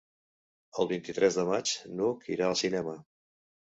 El vint-i-tres de maig n'Hug irà al cinema.